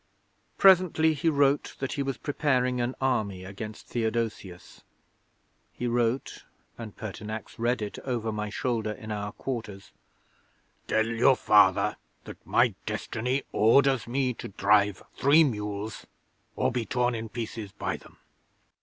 'Presently he wrote that he was preparing an army against Theodosius. He wrote and Pertinax read it over my shoulder in our quarters: "_Tell your Father that my destiny orders me to drive three mules or be torn in pieces by them.